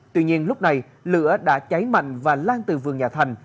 tuy nhiên lúc này lửa đã cháy mạnh và lan từ vườn nhà thành